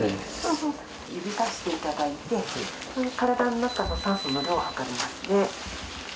指を出していただいて、体の中の酸素の量を測りますね。